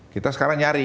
kita sekarang nyari